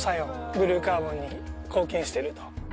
ブルーカーボンに貢献してると。